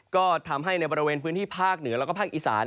ก็ทำให้ในบริเวณพื้นที่ภาคเหนือแล้วก็ภาคอีสาน